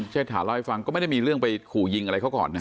เชษฐาเล่าให้ฟังก็ไม่ได้มีเรื่องไปขู่ยิงอะไรเขาก่อนนะ